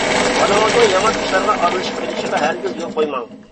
بالىڭىزنىڭ يامان ئىشلارغا ئارىلىشىپ قېلىشىغا ھەرگىز يول قويماڭ.